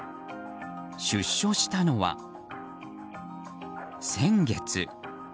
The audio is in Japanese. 出所したのは、先月。